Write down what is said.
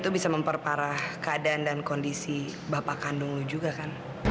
bapak akan menunggu juga